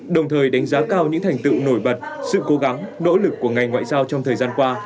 đồng thời đánh giá cao những thành tựu nổi bật sự cố gắng nỗ lực của ngành ngoại giao trong thời gian qua